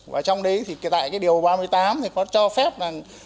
và trong đấy thì tại cái điều ba mươi tám thì có cho phép là